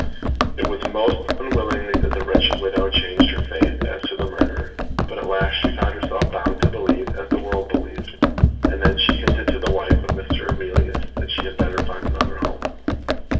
It was most unwillingly that the wretched widow changed her faith as to the murderer; but at last she found herself bound to believe as the world believed; and then she hinted to the wife of Mr. Emilius that she had better find another home.